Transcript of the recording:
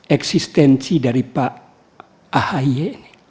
eksistensi dari pak ahy